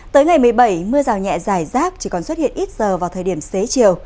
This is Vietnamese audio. tới ngày một mươi bảy mưa rào nhẹ dài rác chỉ còn xuất hiện ít giờ vào thời điểm xế chiều